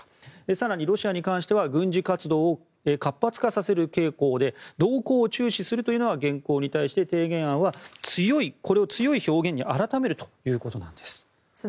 更にロシアに関しては軍事活動を活発化させる傾向で動向を注視するというのが現行に対して提言案は強い表現に改めるということです。